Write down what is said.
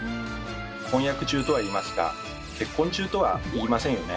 「婚約中」とは言いますが「結婚中」とは言いませんよね？